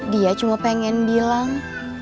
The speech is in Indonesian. dia cuma pengen bilang